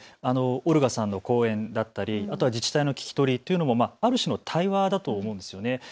オルガさんの講演だったりあとは自治体の聞き取りのというのもある種の対話だと思うんですよね。